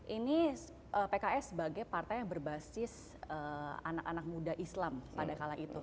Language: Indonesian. ini pks sebagai partai yang berbasis anak anak muda islam pada kala itu